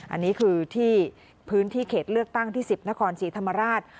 อันนี้คือที่พื้นที่เขตเลือกตั้งที่๑๐นครศรีธรรมราช